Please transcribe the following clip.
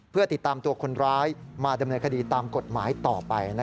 เพื่อติดตามตัวคนร้ายมาดำเนินคดีตามกฎหมายต่อไป